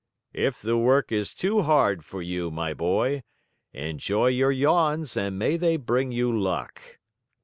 "If the work is too hard for you, my boy, enjoy your yawns and may they bring you luck!"